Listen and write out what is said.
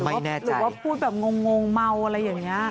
หรือว่าพูดแบบงงเมาอะไรอย่างนี้